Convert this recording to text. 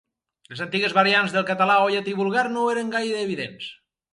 Les antigues variants del català o llatí vulgar no eren gaire evidents.